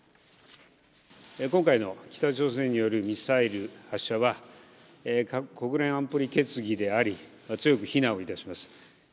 今回の北朝鮮によるミサイル発射は、国連安保理決議違反であり強く非難をいたします。